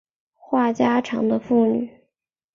话家常的妇女